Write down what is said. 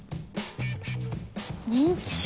認知症？